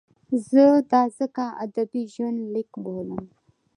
زه دا ځکه ادبي ژوندلیک بولم.